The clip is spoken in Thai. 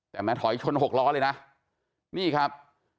แต่แม้ถอยชน๖ล้อเลยนะนี่ครับ